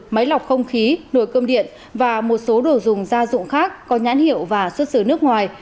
máy lọc không khí nồi cơm điện và một số đồ dùng gia dụng khác có nhãn hiệu và xuất xứ nước ngoài